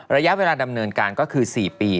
ระยะเวลาดำเนินการก็คือ๔ปี